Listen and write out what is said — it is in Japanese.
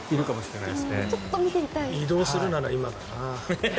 移動するなら今だな。